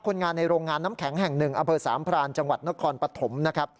คนงานในโรงงานน้ำแข็งแห่งหนึ่งอสามพรานจังหวัดนครปฐม